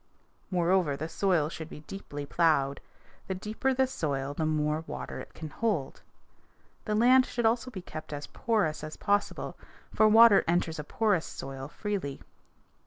Moreover the soil should be deeply plowed. The deeper the soil the more water it can hold. The land should also be kept as porous as possible, for water enters a porous soil freely.